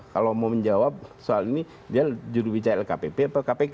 kalau mau menjawab soal ini dia jurubicara lkpp atau kpk